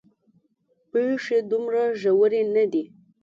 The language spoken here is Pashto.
پېښې دومره ژورې نه دي.